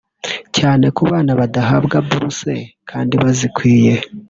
cyane ku bana badahabwa buruse kandi bazikwiye